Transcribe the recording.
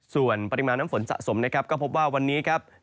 ส่วนปริมาณน้ำฝนสะสมนะครับก็พบว่าวันนี้ครับ